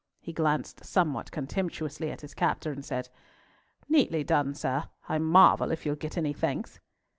He glanced somewhat contemptuously at his captor, and said; "Neatly done, sir; I marvel if you'll get any thanks."